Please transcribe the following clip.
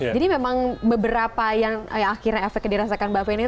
jadi memang beberapa yang akhirnya efeknya dirasakan mbak fenir